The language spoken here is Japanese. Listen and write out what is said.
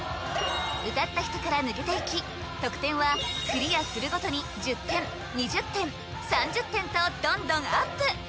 歌った人から抜けていき得点はクリアするごとに１０点２０点３０点とどんどんアップ